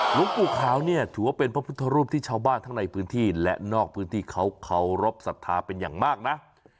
หลวงปู่ขาวเนี่ยถือว่าเป็นพระพุทธรูปที่ชาวบ้านทั้งในพื้นที่และนอกพื้นที่เขาเคารพสัทธาเป็นอย่างมากนะ